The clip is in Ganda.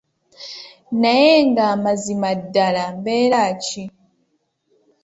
Naye nga mazima ddala mbeera ki?